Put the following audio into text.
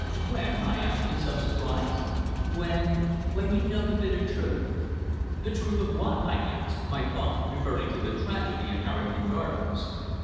"When?" I asked, in some surprise. "When when you know the bitter truth." "The truth of what?" I gasped, my thoughts reverting to the tragedy in Harrington Gardens.